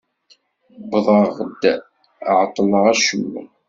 Wwḍeɣ-d εeṭṭleɣ acemma.